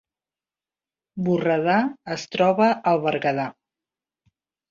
Borredà es troba al Berguedà